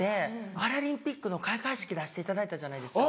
パラリンピックの開会式出していただいたじゃないですか。